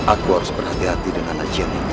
aku harus berhati hati dengan aji yang ini